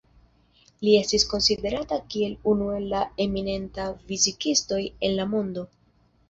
Li estis konsiderata kiel unu el la eminentaj fizikistoj en la mondo.